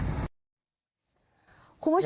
ขอบพระคุณผู้ชม